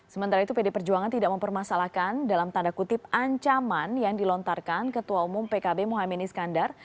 sementara itu pd perjuangan tidak mempermasalahkan dalam tanda kutip ancaman yang dilontarkan ketua umum pkb mohaimin iskandar